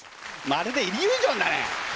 まるでイリュージョンだね。